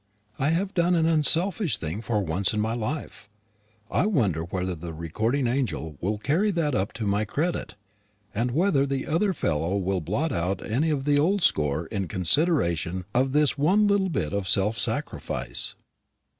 "I have done an unselfish thing for once in my life. I wonder whether the recording angel will carry that up to my credit, and whether the other fellow will blot out any of the old score in consideration of this one little bit of self sacrifice."